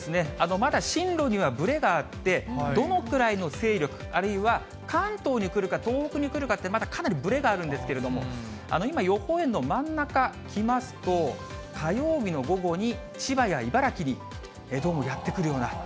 まだ進路にはぶれがあって、どのくらいの勢力、あるいは関東に来るか東北に来るかってまだかなりぶれがあるんですけれども、今、予報円の真ん中来ますと、火曜日の午後に千葉や茨城にどうもやって来るような、